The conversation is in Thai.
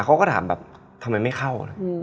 เขาก็ถามแบบทำไมไม่เข้า